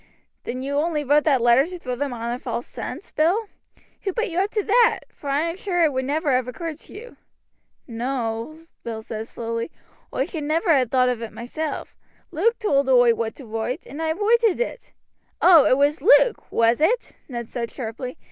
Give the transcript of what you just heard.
"Then you only wrote that letter to throw them on to a false scent, Bill? Who put you up to that, for I am sure it would never have occurred to you?" "No," Bill said slowly, "oi should never ha' thought of it myself; Luke told oi what to wroit, and I wroited it." "Oh, it was Luke! was it?" Ned said sharply.